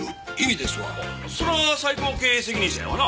そら最高経営責任者やわな。